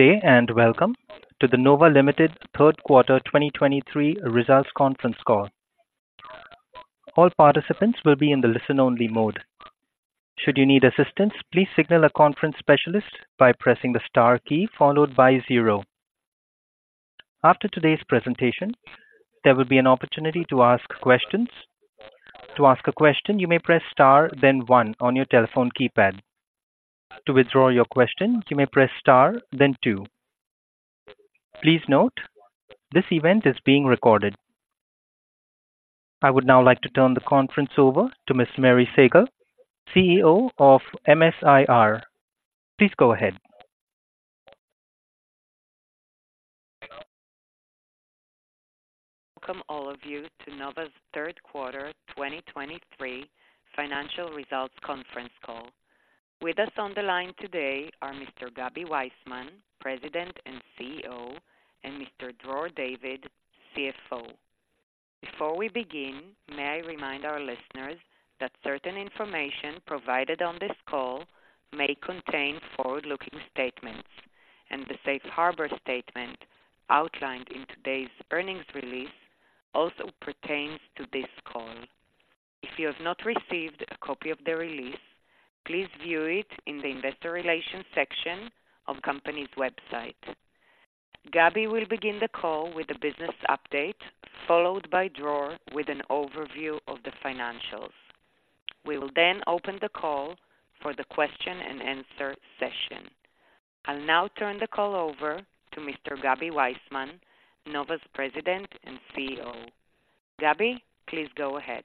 Good day, and welcome to the Nova Ltd. Third Quarter 2023 Results Conference Call. All participants will be in the listen-only mode. Should you need assistance, please signal a conference specialist by pressing the star key followed by zero. After today's presentation, there will be an opportunity to ask questions. To ask a question, you may press star, then one on your telephone keypad. To withdraw your question, you may press star, then two. Please note, this event is being recorded. I would now like to turn the conference over to Ms. Miri Segal, Chief Executive Officer of MS-IR. Please go ahead. Welcome all of you to Nova's third quarter 2023 financial results conference call. With us on the line today are Mr. Gaby Waisman, President and Chief Executive Officer, and Mr. Dror David, Chief Financial Officer. Before we begin, may I remind our listeners that certain information provided on this call may contain forward-looking statements, and the safe harbor statement outlined in today's earnings release also pertains to this call. If you have not received a copy of the release, please view it in the investor relations section of the company's website. Gaby will begin the call with a business update, followed by Dror with an overview of the financials. We will then open the call for the question-and-answer session. I'll now turn the call over to Mr. Gaby Waisman, Nova's President and Chief Executive Officer. Gaby, please go ahead.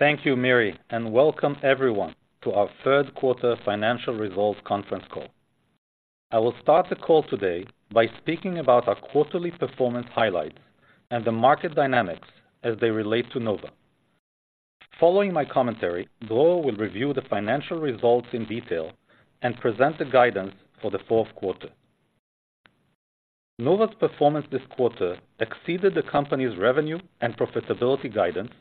Thank you, Miri, and welcome everyone to our third quarter financial results conference call. I will start the call today by speaking about our quarterly performance highlights and the market dynamics as they relate to Nova. Following my commentary, Dror will review the financial results in detail and present the guidance for the fourth quarter. Nova's performance this quarter exceeded the company's revenue and profitability guidance,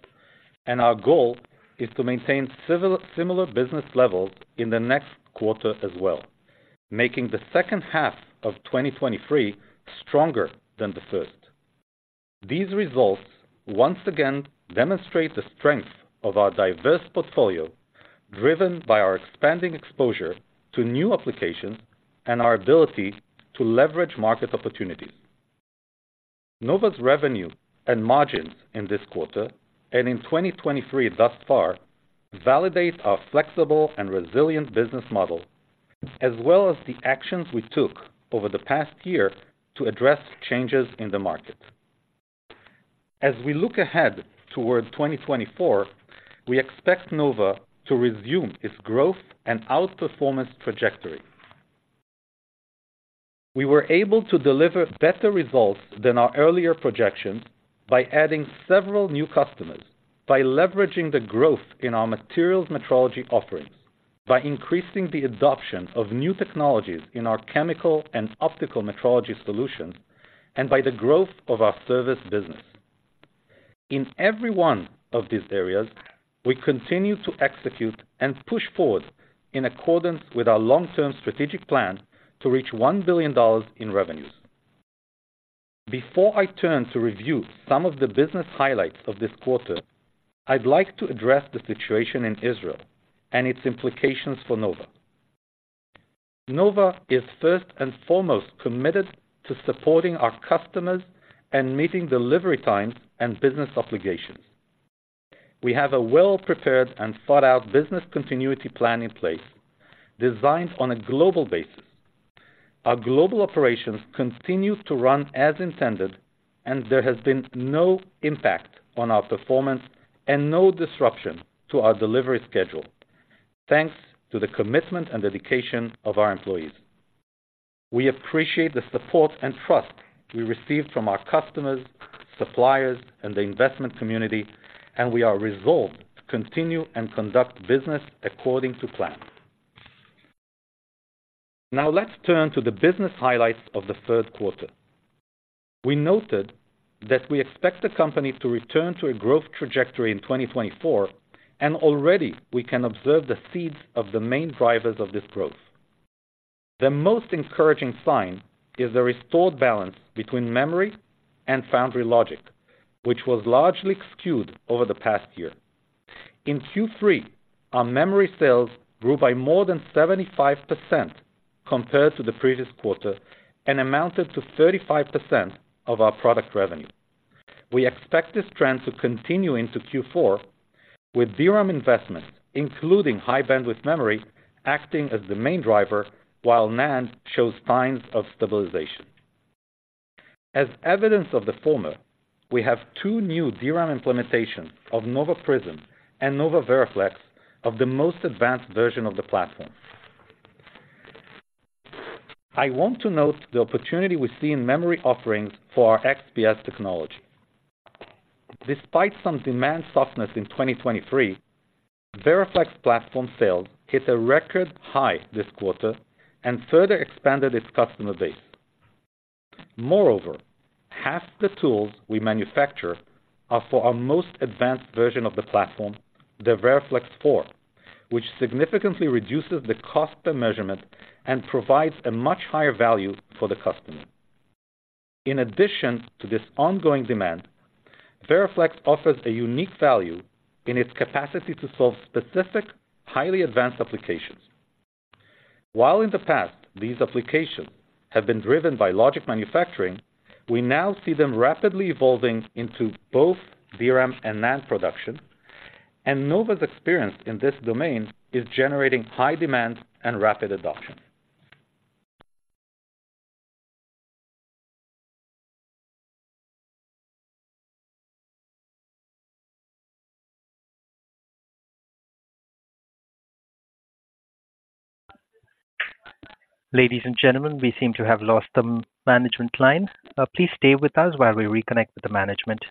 and our goal is to maintain similar business levels in the next quarter as well, making the second half of 2023 stronger than the first. These results once again demonstrate the strength of our diverse portfolio, driven by our expanding exposure to new applications and our ability to leverage market opportunities. Nova's revenue and margins in this quarter, and in 2023 thus far, validate our flexible and resilient business model, as well as the actions we took over the past year to address changes in the market. As we look ahead towards 2024, we expect Nova to resume its growth and outperformance trajectory. We were able to deliver better results than our earlier projections by adding several new customers, by leveraging the growth in our materials metrology offerings, by increasing the adoption of new technologies in our chemical and optical metrology solutions, and by the growth of our service business. In every one of these areas, we continue to execute and push forward in accordance with our long-term strategic plan to reach $1 billion in revenues. Before I turn to review some of the business highlights of this quarter, I'd like to address the situation in Israel and its implications for Nova. Nova is first and foremost committed to supporting our customers and meeting delivery times and business obligations. We have a well-prepared and thought-out business continuity plan in place, designed on a global basis. Our global operations continue to run as intended, and there has been no impact on our performance and no disruption to our delivery schedule, thanks to the commitment and dedication of our employees. We appreciate the support and trust we received from our customers, suppliers, and the investment community, and we are resolved to continue and conduct business according to plan. Now, let's turn to the business highlights of the third quarter. We noted that we expect the company to return to a growth trajectory in 2024, and already we can observe the seeds of the main drivers of this growth. The most encouraging sign is the restored balance between memory and foundry logic, which was largely skewed over the past year. In Q3, our memory sales grew by more than 75% compared to the previous quarter and amounted to 35% of our product revenue. We expect this trend to continue into Q4, with DRAM investment, including high-bandwidth memory, acting as the main driver, while NAND shows signs of stabilization. As evidence of the former, we have two new DRAM implementations of Nova Prism and Nova VeraFlex of the most advanced version of the platform. I want to note the opportunity we see in memory offerings for our XPS technology. Despite some demand softness in 2023, VeraFlex platform sales hit a record high this quarter and further expanded its customer base. Moreover, half the tools we manufacture are for our most advanced version of the platform, the VeraFlex IV, which significantly reduces the cost per measurement and provides a much higher value for the customer. In addition to this ongoing demand, VeraFlex offers a unique value in its capacity to solve specific, highly advanced applications. While in the past, these applications have been driven by logic manufacturing, we now see them rapidly evolving into both DRAM and NAND production, and Nova's experience in this domain is generating high demand and rapid adoption. Ladies and gentlemen, we seem to have lost the management line. Please stay with us while we reconnect with the management.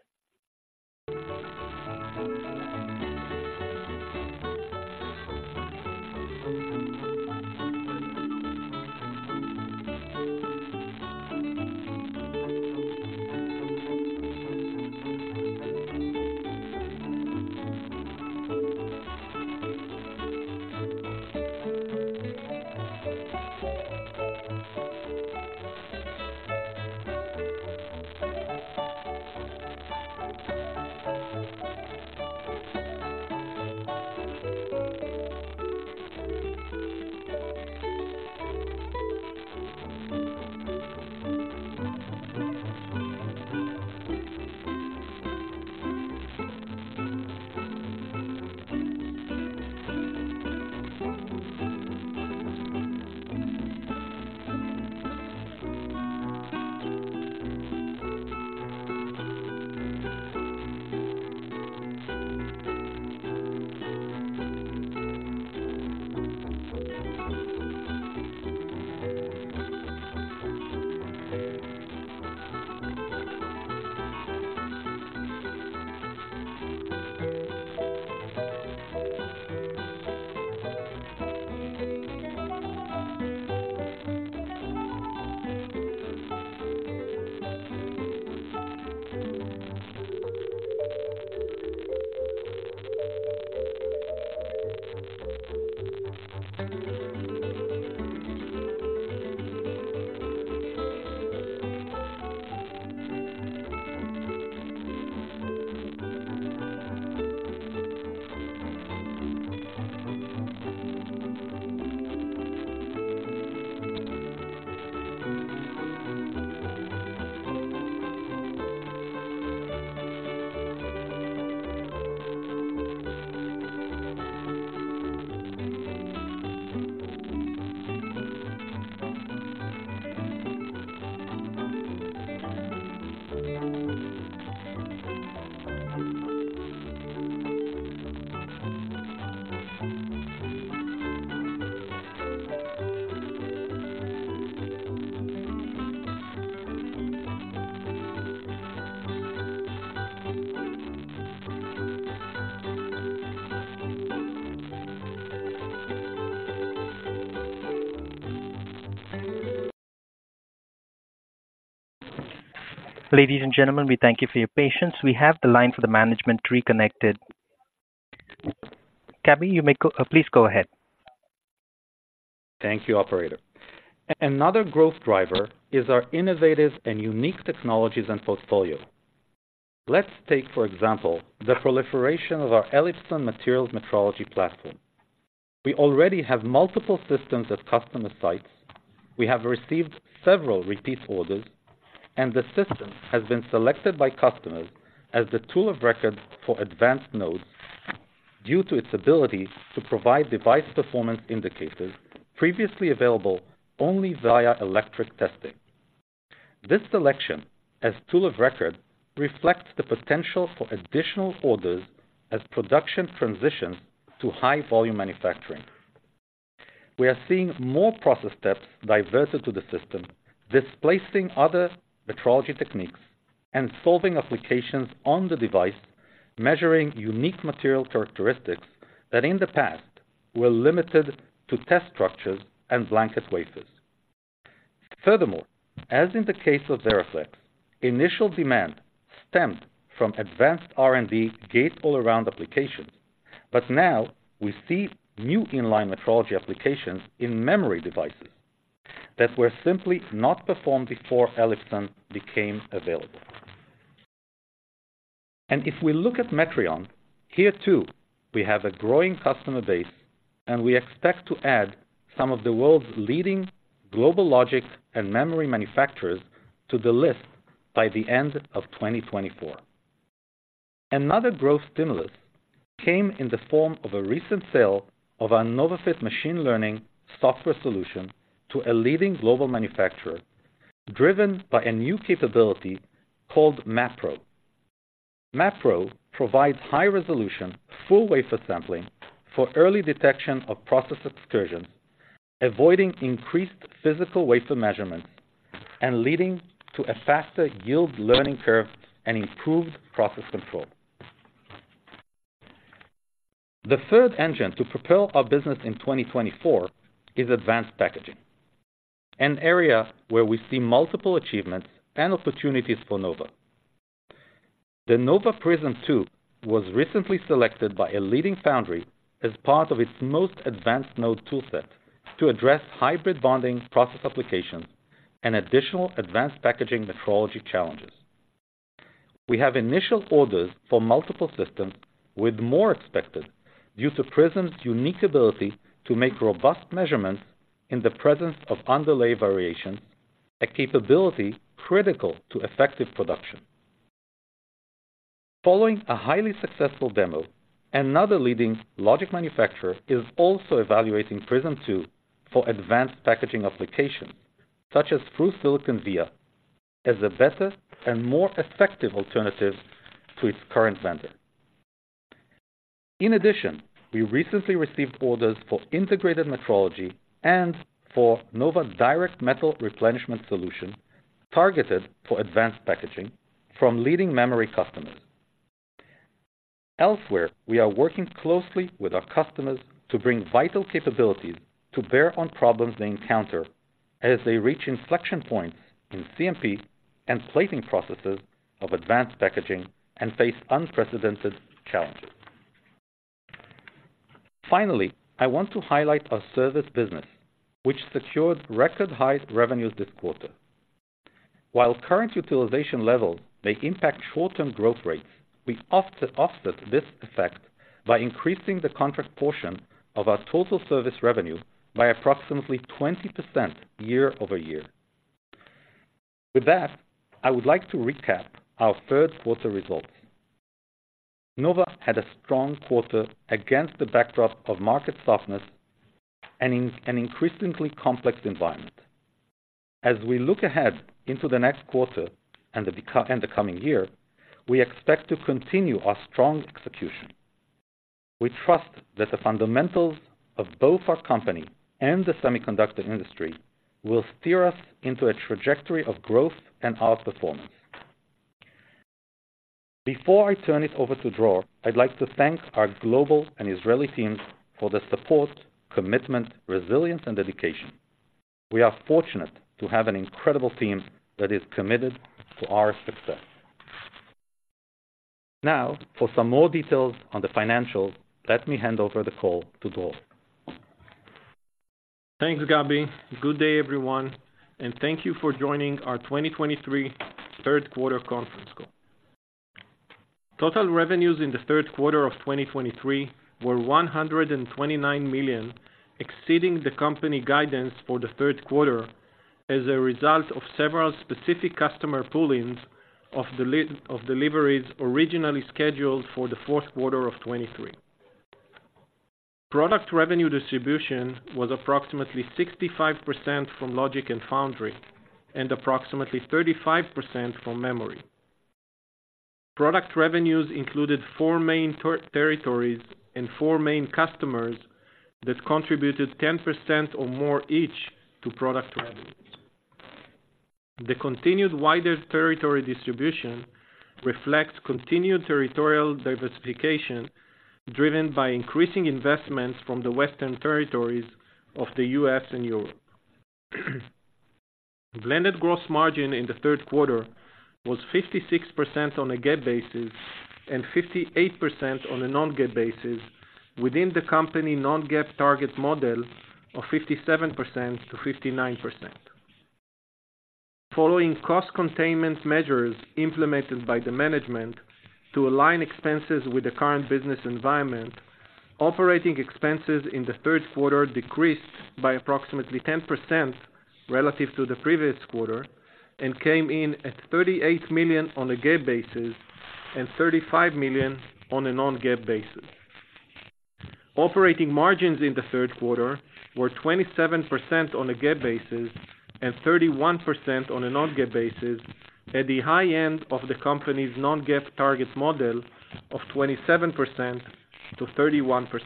Ladies and gentlemen, we thank you for your patience. We have the line for the management reconnected. Gaby, you may go... Please go ahead. Thank you, Operator. Another growth driver is our innovative and unique technologies and portfolio. Let's take, for example, the proliferation of our Elipson materials metrology platform. We already have multiple systems at customer sites. We have received several repeat orders, and the system has been selected by customers as the tool of record for advanced nodes due to its ability to provide device performance indicators previously available only via electric testing. This selection, as tool of record, reflects the potential for additional orders as production transitions to high volume manufacturing. We are seeing more process steps diverted to the system, displacing other metrology techniques and solving applications on the device, measuring unique material characteristics that in the past were limited to test structures and blanket wafers. Furthermore, as in the case of VeraFlex, initial demand stemmed from advanced R&D Gate-All-Around applications. But now we see new in-line metrology applications in memory devices that were simply not performed before Elipson became available. If we look at Metrion, here, too, we have a growing customer base, and we expect to add some of the world's leading global logic and memory manufacturers to the list by the end of 2024. Another growth stimulus came in the form of a recent sale of our Nova FIT machine learning software solution to a leading global manufacturer, driven by a new capability called MapPro. MapPro provides high-resolution, full wafer sampling for early detection of process excursions, avoiding increased physical wafer measurements and leading to a faster yield learning curve and improved process control. The third engine to propel our business in 2024 is advanced packaging, an area where we see multiple achievements and opportunities for Nova. The Nova Prism 2 was recently selected by a leading foundry as part of its most advanced node toolset to address hybrid bonding process applications and additional advanced packaging metrology challenges. We have initial orders for multiple systems, with more expected due to Prism's unique ability to make robust measurements in the presence of underlay variations, a capability critical to effective production. Following a highly successful demo, another leading logic manufacturer is also evaluating Prism 2 for advanced packaging applications, such as through-silicon via, as a better and more effective alternative to its current vendor. In addition, we recently received orders for integrated metrology and for Nova's direct metal replenishment solution, targeted for advanced packaging from leading memory customers. Elsewhere, we are working closely with our customers to bring vital capabilities to bear on problems they encounter as they reach inflection points in CMP and plating processes of advanced packaging and face unprecedented challenges. Finally, I want to highlight our service business, which secured record-high revenues this quarter. While current utilization levels may impact short-term growth rates, we offset this effect by increasing the contract portion of our total service revenue by approximately 20% year-over-year. With that, I would like to recap our third quarter results. Nova had a strong quarter against the backdrop of market softness and in an increasingly complex environment. As we look ahead into the next quarter and the coming year, we expect to continue our strong execution. We trust that the fundamentals of both our company and the semiconductor industry will steer us into a trajectory of growth and outperformance. Before I turn it over to Dror, I'd like to thank our global and Israeli teams for their support, commitment, resilience, and dedication. We are fortunate to have an incredible team that is committed to our success. Now, for some more details on the financials, let me hand over the call to Dror. Thanks, Gaby. Good day, everyone, and thank you for joining our 2023 third quarter conference call. Total revenues in the third quarter of 2023 were $129 million, exceeding the company guidance for the third quarter as a result of several specific customer pull-ins of deliveries originally scheduled for the fourth quarter of 2023. Product revenue distribution was approximately 65% from logic and foundry and approximately 35% from memory. Product revenues included four main territories and four main customers that contributed 10% or more each to product revenue. The continued wider territory distribution reflects continued territorial diversification, driven by increasing investments from the Western territories of the U.S. and Europe. Blended gross margin in the third quarter was 56% on a GAAP basis and 58% on a non-GAAP basis, within the company non-GAAP targets model of 57% to 59%. Following cost containment measures implemented by the management to align expenses with the current business environment, operating expenses in the third quarter decreased by approximately 10% relative to the previous quarter and came in at $38 million on a GAAP basis and $35 million on a non-GAAP basis. Operating margins in the third quarter were 27% on a GAAP basis and 31% on a non-GAAP basis, at the high end of the company's non-GAAP targets model of 27% to 31%.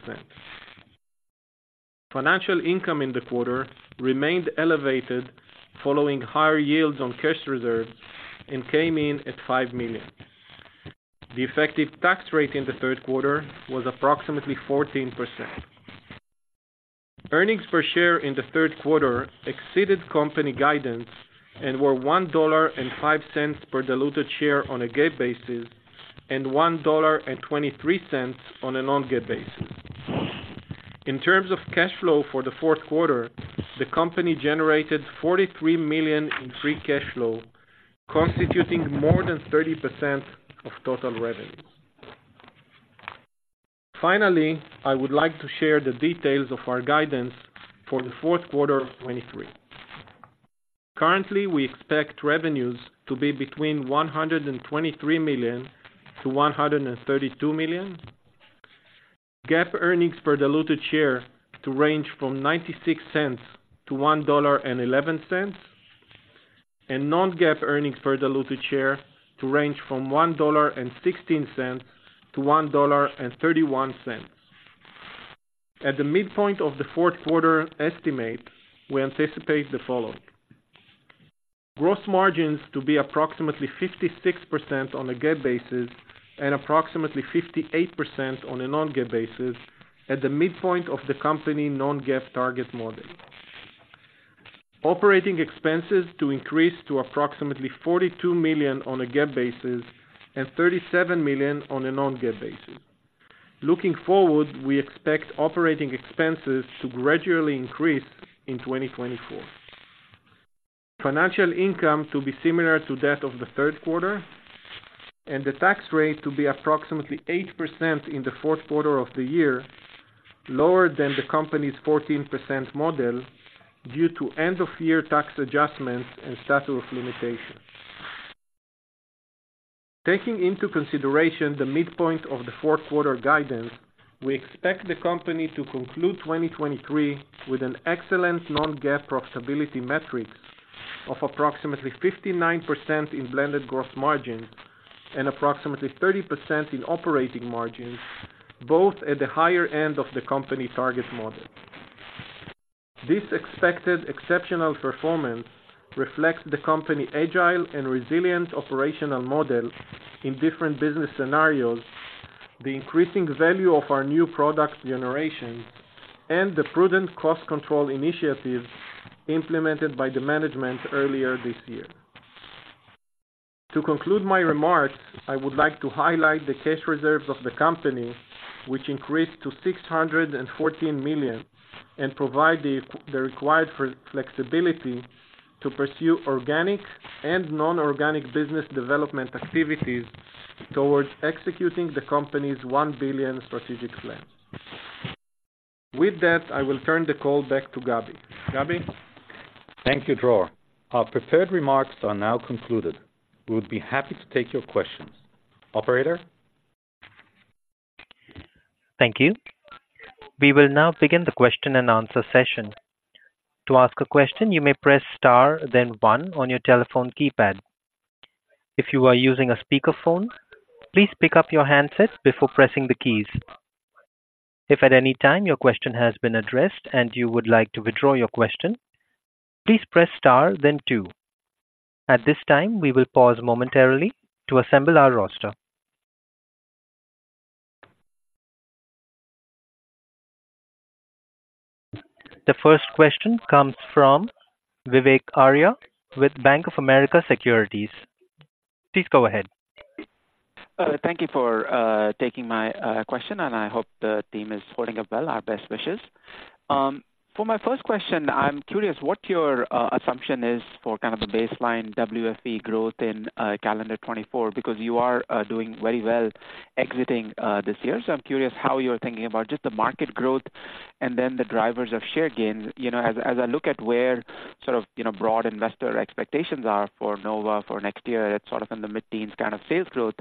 Financial income in the quarter remained elevated following higher yields on cash reserves and came in at $5 million. The effective tax rate in the third quarter was approximately 14%. Earnings per share in the third quarter exceeded company guidance and were $1.05 per diluted share on a GAAP basis, and $1.23 on a non-GAAP basis. In terms of cash flow for the fourth quarter, the company generated $43 million in free cash flow, constituting more than 30% of total revenues. Finally, I would like to share the details of our guidance for the fourth quarter of 2023. Currently, we expect revenues to be between $123 million to $132 million, GAAP earnings per diluted share to range from $0.96 to $1.11, and non-GAAP earnings per diluted share to range from $1.16 to $1.31. At the midpoint of the fourth quarter estimate, we anticipate the following: Gross margins to be approximately 56% on a GAAP basis and approximately 58% on a non-GAAP basis, at the midpoint of the company non-GAAP target model. Operating expenses to increase to approximately $42 million on a GAAP basis and $37 million on a non-GAAP basis. Looking forward, we expect operating expenses to gradually increase in 2024. Financial income to be similar to that of the third quarter, and the tax rate to be approximately 8% in the fourth quarter of the year, lower than the company's 14% model, due to end-of-year tax adjustments and statute of limitations. Taking into consideration the midpoint of the fourth quarter guidance, we expect the company to conclude 2023 with an excellent non-GAAP profitability metrics of approximately 59% in blended gross margins and approximately 30% in operating margins, both at the higher end of the company target model. This expected exceptional performance reflects the company agile and resilient operational model in different business scenarios, the increasing value of our new product generations, and the prudent cost control initiatives implemented by the management earlier this year. To conclude my remarks, I would like to highlight the cash reserves of the company, which increased to $614 million and provide the required for flexibility to pursue organic and non-organic business development activities towards executing the company's $1 billion strategic plan. With that, I will turn the call back to Gaby. Gaby? Thank you, Dror. Our prepared remarks are now concluded. We would be happy to take your questions. Operator? Thank you. We will now begin the question-and-answer session. To ask a question, you may press Star, then one on your telephone keypad. If you are using a speakerphone, please pick up your handsets before pressing the keys. If at any time your question has been addressed and you would like to withdraw your question, please press star then two. At this time, we will pause momentarily to assemble our roster. The first question comes from Vivek Arya, with Bank of America Securities. Please go ahead. Thank you for taking my question, and I hope the team is holding up well. Our best wishes. For my first question, I'm curious what your assumption is for kind of the baseline WFE growth in calendar 2024, because you are doing very well exiting this year. So I'm curious how you're thinking about just the market growth and then the drivers of share gains. You know, as I look at where sort of, you know, broad investor expectations are for Nova for next year, it's sort of in the mid-teens kind of sales growth.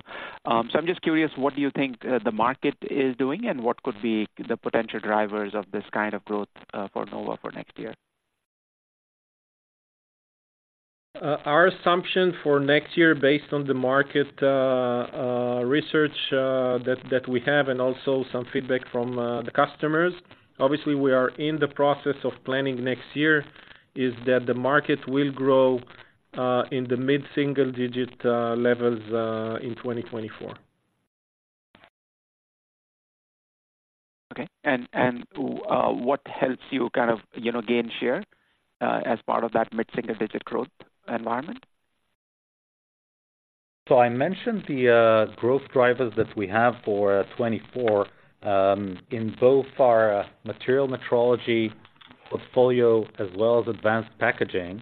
So I'm just curious, what do you think the market is doing and what could be the potential drivers of this kind of growth for Nova for next year? Our assumption for next year, based on the market research that we have and also some feedback from the customers. Obviously, we are in the process of planning next year, is that the market will grow in the mid-single-digit levels in 2024. Okay. And what helps you kind of, you know, gain share as part of that mid-single digit growth environment? I mentioned the growth drivers that we have for 2024 in both our material metrology portfolio as well as advanced packaging.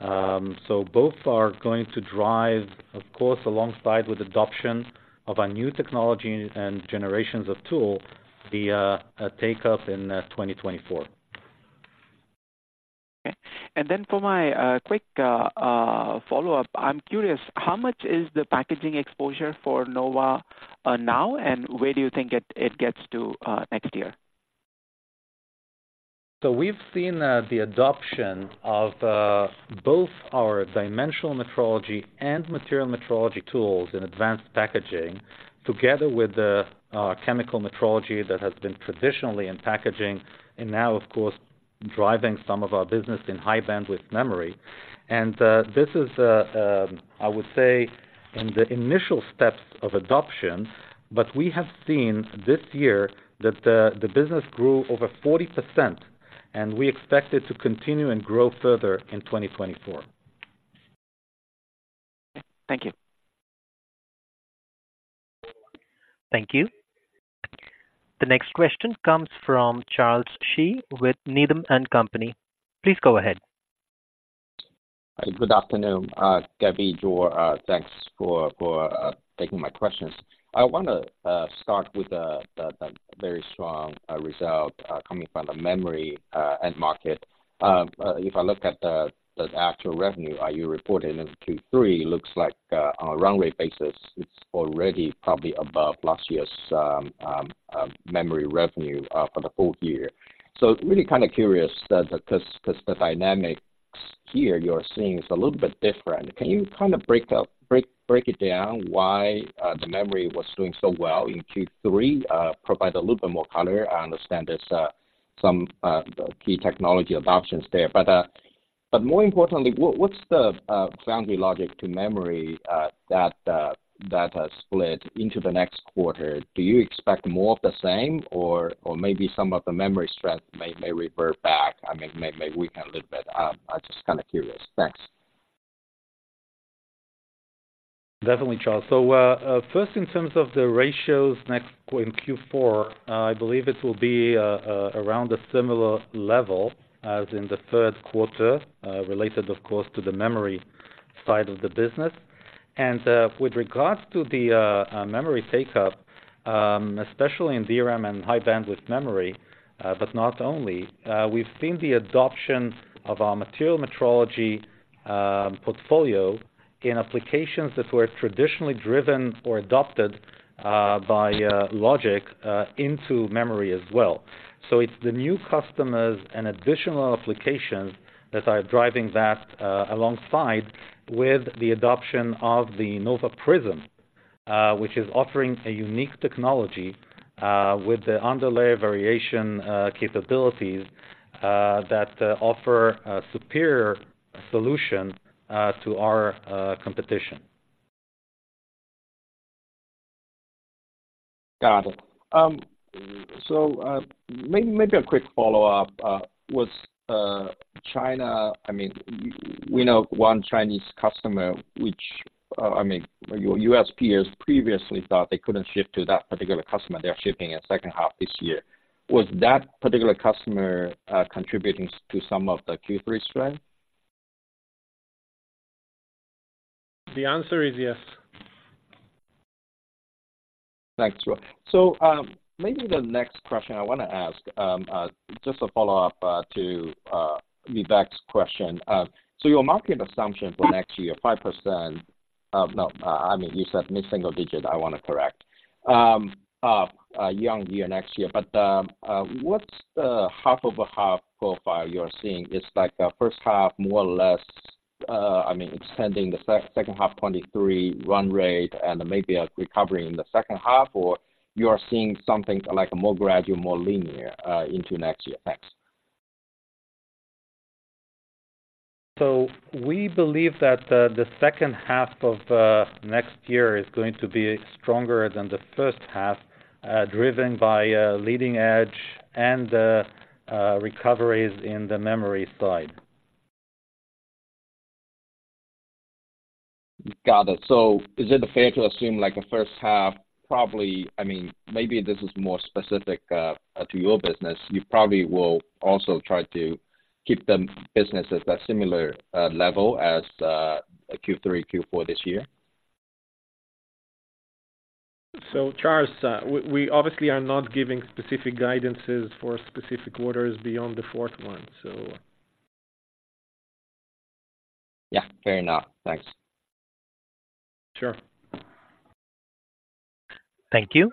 Both are going to drive, of course, alongside with adoption of our new technology and generations of tool, the take-up in 2024. Okay. And then for my quick follow-up, I'm curious, how much is the packaging exposure for Nova now, and where do you think it gets to next year? So we've seen the adoption of both our dimensional metrology and material metrology tools in advanced packaging, together with the chemical metrology that has been traditionally in packaging and now, of course, driving some of our business in high bandwidth memory. This is, I would say, in the initial steps of adoption, but we have seen this year that the business grew over 40%, and we expect it to continue and grow further in 2024. Thank you. Thank you. The next question comes from Charles Shi, with Needham & Company. Please go ahead. Good afternoon, Gaby, Dror, thanks for taking my questions. I wanna start with the very strong result coming from the memory end market. If I look at the actual revenue you reported in Q3, looks like on a run rate basis, it's already probably above last year's memory revenue for the whole year. So really kind of curious that, 'cause the dynamics here you're seeing is a little bit different. Can you kind of break it down why the memory was doing so well in Q3? Provide a little bit more color. I understand there's some key technology adoptions there. But more importantly, what's the foundry logic to memory split into the next quarter? Do you expect more of the same, or maybe some of the memory strength may revert back? I mean, may weaken a little bit. I'm just kind of curious. Thanks. Definitely, Charles. So, first, in terms of the ratios next in Q4, I believe it will be around a similar level as in the third quarter, related of course to the memory side of the business. And, with regards to the memory take-up, especially in DRAM and high bandwidth memory, but not only, we've seen the adoption of our material metrology portfolio in applications that were traditionally driven or adopted by logic into memory as well. So it's the new customers and additional applications that are driving that, alongside with the adoption of the Nova Prism, which is offering a unique technology with the underlayer variation capabilities that offer a superior solution to our competition. Got it. So, maybe a quick follow-up. Was China—I mean, we know one Chinese customer which, I mean, your U.S. peers previously thought they couldn't ship to that particular customer, they're shipping in second half this year. Was that particular customer contributing to some of the Q3 strength? The answer is yes. Thanks, Dror So, maybe the next question I wanna ask, just a follow-up to Vivek's question. So your market assumption for next year, 5%, no, I mean, you said mid-single-digit, I wanna correct. H1 next year, but, what's the H1/H2 profile you're seeing? It's like the first half, more or less, I mean, extending the second half, 2023 run rate and maybe a recovery in the second half, or you are seeing something like more gradual, more linear into next year? Thanks. We believe that the second half of next year is going to be stronger than the first half, driven by leading edge and recoveries in the memory side. Got it. So is it fair to assume, like, the first half, probably... I mean, maybe this is more specific to your business. You probably will also try to keep the business at a similar level as Q3, Q4 this year. Charles, we obviously are not giving specific guidances for specific quarters beyond the fourth one, so. Yeah, fair enough. Thanks. Sure. Thank you.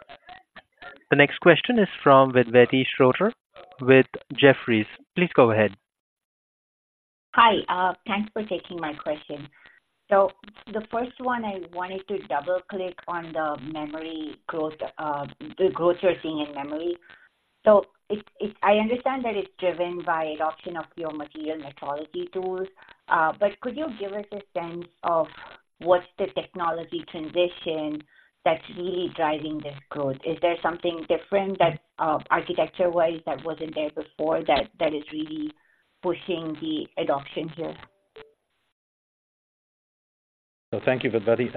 The next question is from Vedvati Shrotre with Jefferies. Please go ahead. Hi, thanks for taking my question. So the first one, I wanted to double-click on the memory growth, the growth you're seeing in memory. So I understand that it's driven by adoption of your material metrology tools, but could you give us a sense of what's the technology transition that's really driving this growth? Is there something different that, architecture-wise, that wasn't there before, that is really pushing the adoption here? So thank you, Vedvati.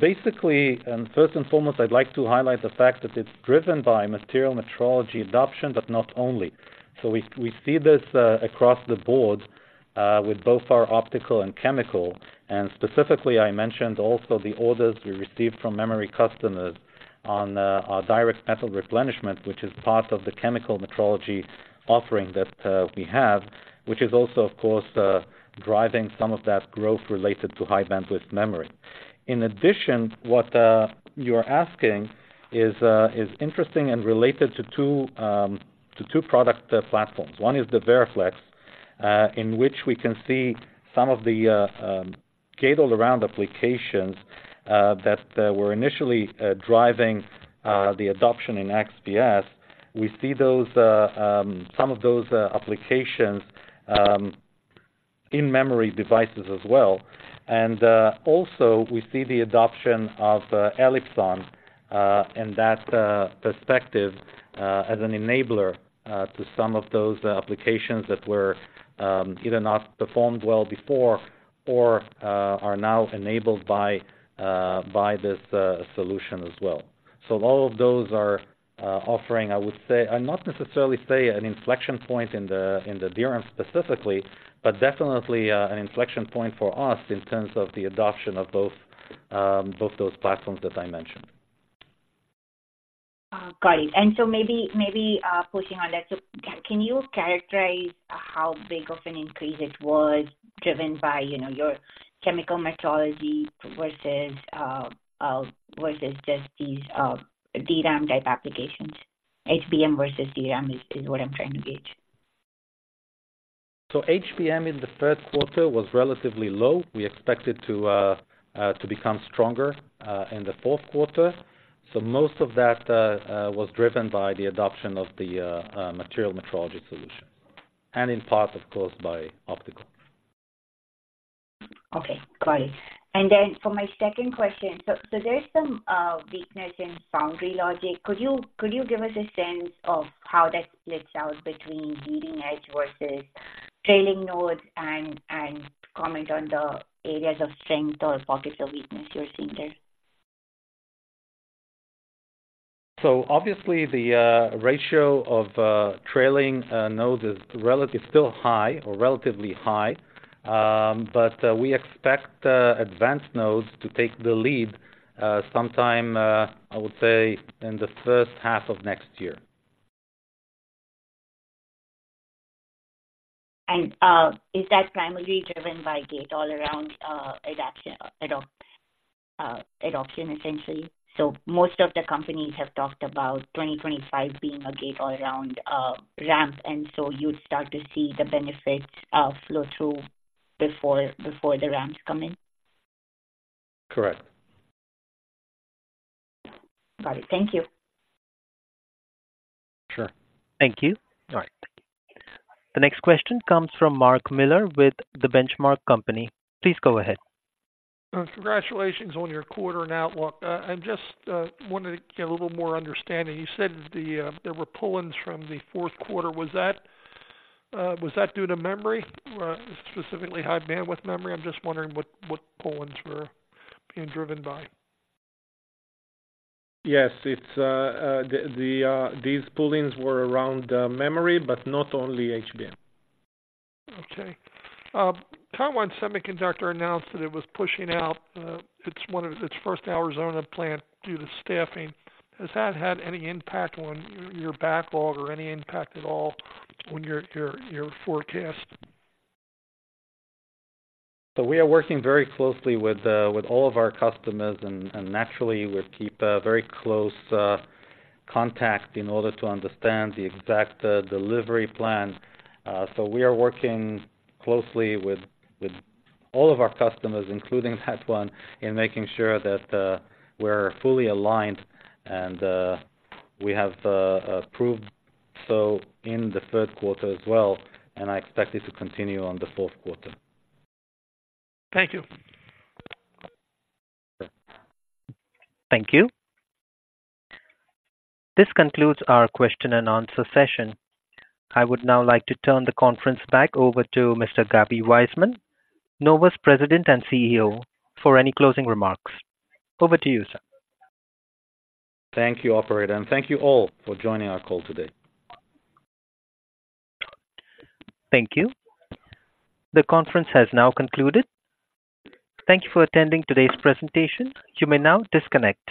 Basically, and first and foremost, I'd like to highlight the fact that it's driven by material metrology adoption, but not only. So we see this across the board with both our optical and chemical, and specifically, I mentioned also the orders we received from memory customers on our direct metal replenishment, which is part of the chemical metrology offering that we have, which is also, of course, driving some of that growth related to high-bandwidth memory. In addition, what you're asking is interesting and related to two product platforms. One is the VeraFlex, in which we can see some of the Gate-All-Around applications that were initially driving the adoption in XPS. We see those, some of those applications in memory devices as well. Also, we see the adoption of Elipson, and that perspective as an enabler to some of those applications that were either not performed well before or are now enabled by this solution as well. So all of those are offering, I would say, I'll not necessarily say an inflection point in the DRAM specifically, but definitely an inflection point for us in terms of the adoption of both those platforms that I mentioned. Got it. And so maybe, maybe, pushing on that, so can you characterize how big of an increase it was driven by, you know, your chemical metrology versus, versus just these, DRAM type applications? HBM versus DRAM is, is what I'm trying to gauge. So HBM in the third quarter was relatively low. We expect it to become stronger in the fourth quarter. So most of that was driven by the adoption of the material metrology solution, and in part, of course, by optical. Okay, got it. And then for my second question, so there's some weakness in foundry logic. Could you give us a sense of how that splits out between leading edge versus trailing nodes, and comment on the areas of strength or pockets of weakness you're seeing there? So obviously, the ratio of trailing nodes is relatively high. But we expect advanced nodes to take the lead sometime, I would say, in the first half of next year. Is that primarily driven by Gate-All-Around adoption, essentially? Most of the companies have talked about 2025 being a Gate-All-Around ramp, and so you'd start to see the benefits flow through before the ramps come in? Correct. Got it. Thank you. Sure. Thank you. All right. The next question comes from Mark Miller with The Benchmark Company. Please go ahead. Congratulations on your quarter and outlook. I'm just wanted to get a little more understanding. You said there were pull-ins from the fourth quarter. Was that due to memory, specifically high-bandwidth memory? I'm just wondering what pull-ins were being driven by. Yes, it's these pull-ins were around memory, but not only HBM. Okay. Taiwan Semiconductor announced that it was pushing out, its one of its first Arizona plant due to staffing. Has that had any impact on your, your backlog or any impact at all on your, your, your forecast? So we are working very closely with, with all of our customers and, and naturally we keep a very close, contact in order to understand the exact, delivery plan. So we are working closely with, with all of our customers, including Taiwan, in making sure that, we're fully aligned and, we have, approved so in the third quarter as well, and I expect it to continue on the fourth quarter. Thank you. Thank you. This concludes our question and answer session. I would now like to turn the conference back over to Mr. Gaby Waisman, Nova's President and Chief Executive Officer, for any closing remarks. Over to you, sir. Thank you, operator, and thank you all for joining our call today. Thank you. The conference has now concluded. Thank you for attending today's presentation. You may now disconnect.